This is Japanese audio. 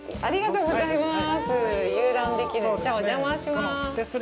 ありがとうございます。